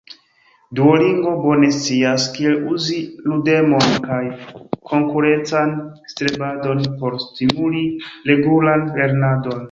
Duolingo bone scias, kiel uzi ludemon kaj konkurencan strebadon por stimuli regulan lernadon.